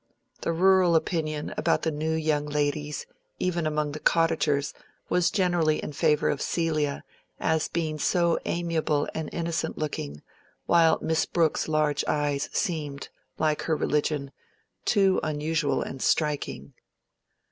The rural opinion about the new young ladies, even among the cottagers, was generally in favor of Celia, as being so amiable and innocent looking, while Miss Brooke's large eyes seemed, like her religion, too unusual and striking.